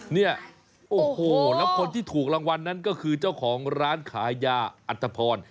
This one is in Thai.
เนี่ยโอ้โหแล้วคนที่ถูกรางวัลนั้นก็คือเจ้าของร้านขายยาอัตภพร